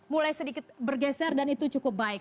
mulai sedikit bergeser dan itu cukup baik